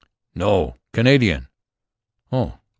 ] "No! Canadian." "Oh!"